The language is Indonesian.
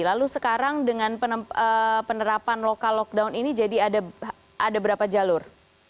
lalu sekarang dengan penerapan lokal lockdown ini jadi ada berapa jalur